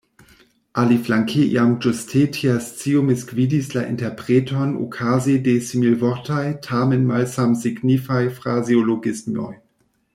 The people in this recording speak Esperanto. Aliflanke, iam ĝuste tia scio misgvidis la interpreton okaze de similvortaj, tamen malsamsignifaj, frazeologismoj.